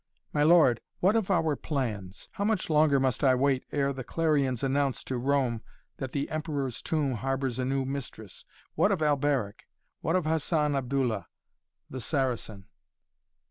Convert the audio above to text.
"My lord what of our plans? How much longer must I wait ere the clarions announce to Rome that the Emperor's Tomb harbors a new mistress? What of Alberic? What of Hassan Abdullah, the Saracen?"